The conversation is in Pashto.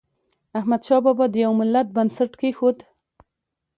احمد شاه بابا د یو ملت بنسټ کېښود.